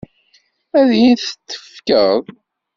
Ad iyi-t-tefkeḍ?